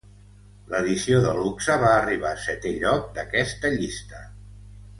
L'edició de luxe va arribar a setè lloc d'aquesta llista.